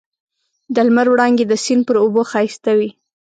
د لمر وړانګې د سیند پر اوبو ښایسته وې.